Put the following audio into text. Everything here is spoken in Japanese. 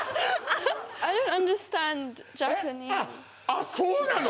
あそうなの？